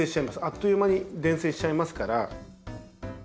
あっという間に伝染しちゃいますから。